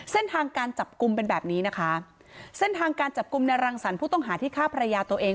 เส้นทางการจับกลุ่มเป็นแบบนี้นะคะเส้นทางการจับกลุ่มในรังสรรค์ผู้ต้องหาที่ฆ่าภรรยาตัวเอง